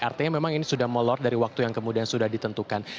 artinya memang ini sudah molor dari waktu yang kemudian sudah ditentukan